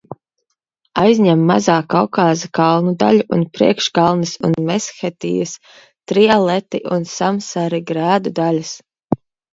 Aizņem Mazā Kaukāza kalnu daļu un priekškalnes un Meshetijas, Trialeti un Samsari grēdu daļas.